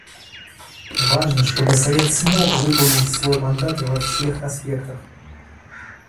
Важно, чтобы Совет мог выполнить свой мандат во всех аспектах.